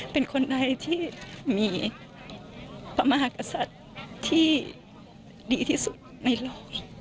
เป็นคนใดที่มีพระมหากษัตริย์ที่ดีที่สุดในโลก